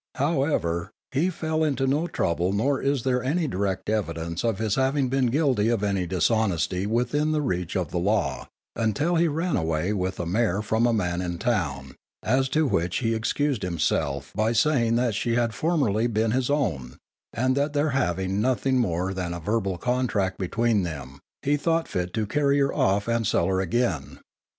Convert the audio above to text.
However, he fell into no trouble nor is there any direct evidence of his having been guilty of any dishonesty within the reach of the Law, until he ran away with a mare from a man in town, as to which he excused himself by saying that she had formerly been his own, and that there having nothing more than a verbal contract between them, he thought fit to carry her off and sell her again.